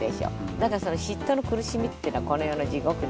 だからその嫉妬の苦しみっていうのはこの世の地獄ですからね。